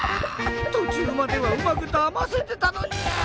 とちゅうまではうまくだませてたのに！